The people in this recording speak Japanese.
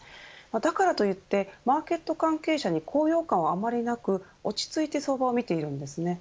だからといってマーケット関係者に高揚感はあまりなく落ち着いて相場を見ているんです。